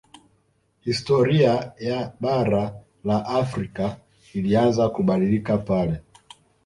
Historia ya bara la Afrika ilianza kubadilika pale